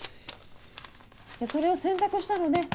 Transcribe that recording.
それを洗濯したのね。